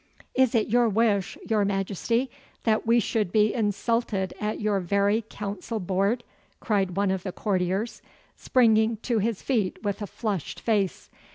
'Is it your wish, your Majesty, that we should be insulted at your very council board?' cried one of the courtiers, springing to his feet with a flushed face.